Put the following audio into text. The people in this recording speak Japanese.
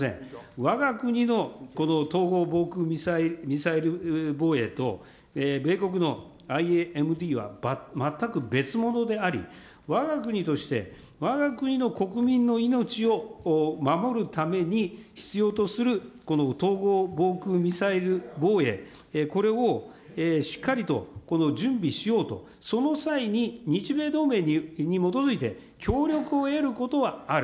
わが国のこの統合防空ミサイル防衛と米国のＩＡＭＤは全く別物であり、わが国として、わが国の国民の命を守るために必要とするこの統合防空ミサイル防衛、これをしっかりと準備しようと、その際に、日米同盟に基づいて協力を得ることはある。